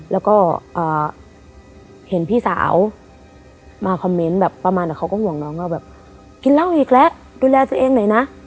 แล้วก็เห็นพี่สาวมาคอมเมนต์แบบประมาณเขาก็ห่วงน้องว่าแบบกินเหล้าอีกแล้วดูแลตัวเองหน่อยนะ